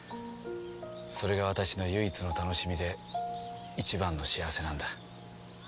それが私の唯一の楽しみで一番の幸せなんだ。